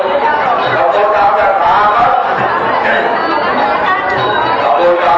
เมื่อเวลาอาทิตย์สุดท้ายทุกคนกลับมาเมื่อเวลาอาทิตย์สุดท้าย